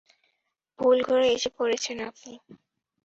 ভুল ঘরে এসে পড়েছেন আপনি।